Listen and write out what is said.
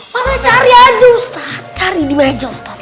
mana cari aja ustadz cari di meja ustadz